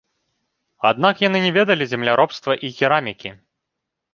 Аднак яны не ведалі земляробства і керамікі.